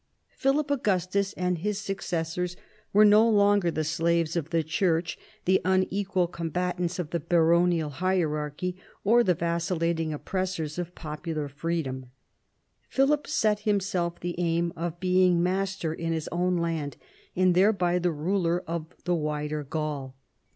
Philip Augustus and his successors were no longer the slaves of the Church, the unequal combatants of the baronial hierarchy or the vacillating oppressors of popular freedom. Philip set himself the aim of being master in his own land, and thereby the ruler of the wider Gaul.